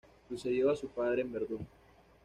Sucedió a su padre en Verdún.